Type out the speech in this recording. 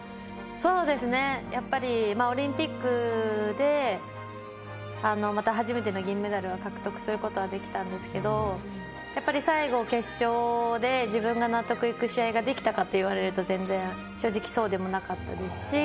そうですねやっぱりオリンピックで初めての銀メダルは獲得することはできたんですけど最後決勝で自分が納得いく試合ができたかといわれると全然正直そうでもなかったですし。